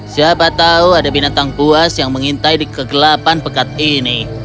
siapa tahu ada binatang buas yang mengintai di kegelapan pekat ini